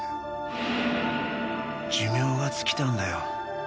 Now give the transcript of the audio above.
寿命が尽きたんだよ。